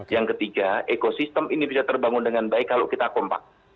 yang ketiga ekosistem ini bisa terbangun dengan baik kalau kita kompak